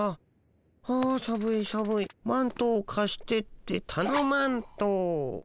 ああ寒い寒いマントをかしてってたのマント。